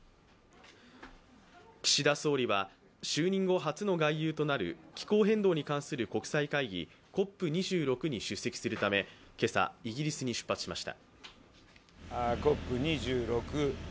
岸田総理は就任後初の外遊となる気候変動に関する国際会議ＣＯＰ２６に出席するため今朝、イギリスに出発しました。